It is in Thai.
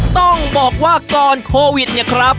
ต้องบอกว่าก่อนโควิดเนี่ยครับ